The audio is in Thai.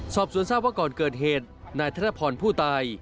สอบสวนทราบว่าก่อนเกิดเหตุนายธนพรผู้ตาย